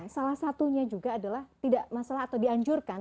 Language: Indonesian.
salah satunya juga adalah tidak masalah atau dianjurkan